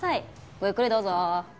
ごゆっくりどうぞー。